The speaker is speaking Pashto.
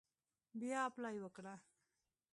بیا اپلای وکړه.